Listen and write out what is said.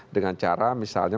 dengan cara misalnya